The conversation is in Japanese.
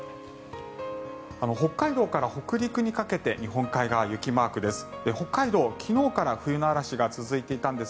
北海道から北陸にかけて日本海側雪マークです。